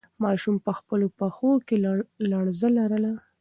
ماشوم په خپلو پښو کې لړزه لرله.